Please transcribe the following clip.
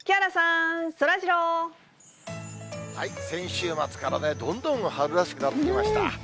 先週末からね、どんどん春らしくなってきました。